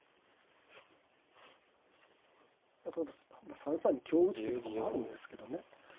だから３三に香打つ手とかもあるんですけどね。